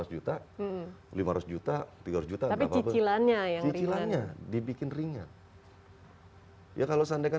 juta lima ratus juta tiga ratus juta tapi cicilannya yang hilangnya dibikin ringan oh ya kalau seandainya